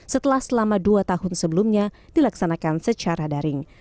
setelah selama dua tahun sebelumnya dilaksanakan secara daring